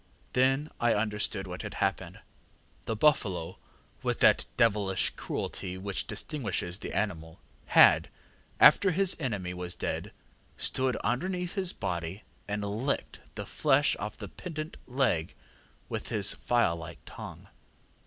Then I understood what had happened. The buffalo, with that devilish cruelty which distinguishes the animal, had, after his enemy was dead, stood underneath his body, and licked the flesh off the pendant leg with his file like tongue.